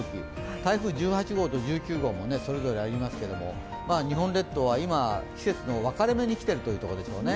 台風１８号と１９号もそれぞれありますけれども日本列島は今、季節の分かれ目に来てるということでしょうね。